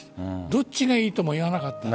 どっちがいいとも言わなかった。